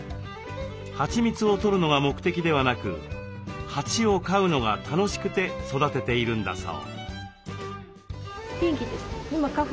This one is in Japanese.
はちみつをとるのが目的ではなく蜂を飼うのが楽しくて育てているんだそう。